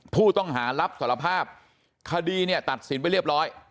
ผู้ต้องหารับสารภาพคดีเนี่ยตัดสินไปเรียบร้อย